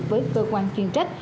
với cơ quan chuyên trách